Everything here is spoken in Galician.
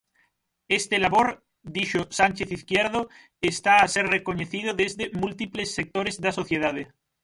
Este labor, dixo Sánchez Izquierdo, está a ser recoñecido desde "múltiples sectores da sociedade".